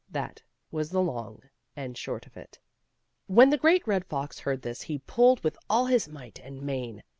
That was the long and the short of it. When the Great Red Fox heard this, he pulled with all his might and main.